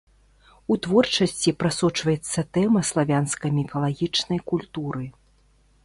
У творчасці прасочваецца тэма славянскай міфалагічнай культуры.